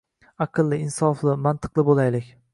Aqlli, insofli, mantiqli boʻlaylik.